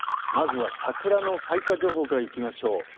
まずは桜の開花情報からいきましょう。